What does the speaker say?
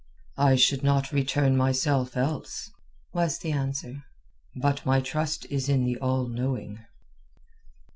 "I should not return myself else," was the answer. "But my trust is in the All knowing."